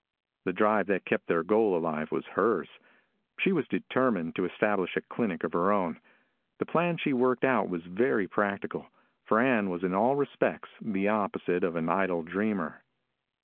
The drive that kept their goal alive was hers. She was determined to establish a clinic of her own. The plan she worked out was very practical for Ann was in all respects the opposite of an idle dreamer.